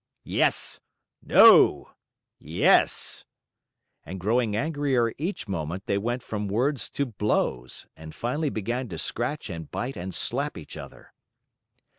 "Yes!" "No!" "Yes!" And growing angrier each moment, they went from words to blows, and finally began to scratch and bite and slap each other.